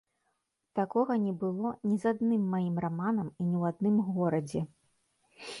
Такога не было ні з адным маім раманам і ні ў адным горадзе.